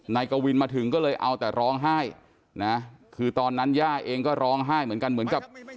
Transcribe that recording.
นายกวินมาถึงก็เลยเอาแต่ร้องไห้คือตอนนั้นย่าเองก็ร้องไห้เหมือนกัน